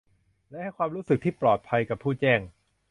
และ ให้ความรู้สึกที่ปลอดภัยกับผู้แจ้ง